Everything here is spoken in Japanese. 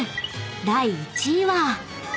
［第１位は］